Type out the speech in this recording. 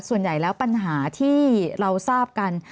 ส่วนใหญ่แล้วปัญหาที่เราทราบกัน